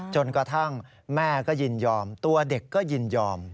จนกระทั่งแม่ก็ยินยอมตัวเด็กก็ยินยอม